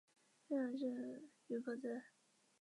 本列表记录梁翘柏的所创作的音乐作品